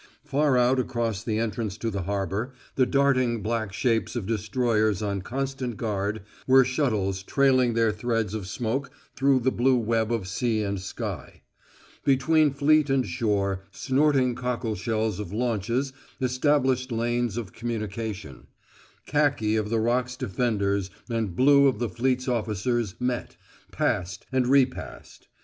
Far out across the entrance to the harbor, the darting black shapes of destroyers on constant guard were shuttles trailing their threads of smoke through the blue web of sea and sky. Between fleet and shore snorting cockleshells of launches established lanes of communication; khaki of the Rock's defenders and blue of the fleet's officers met, passed, and repassed.